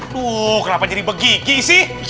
tuh kenapa jadi begini sih